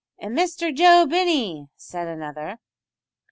"An' Mister Joe Binney," said another.